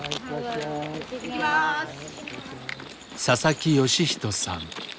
佐々木善仁さん。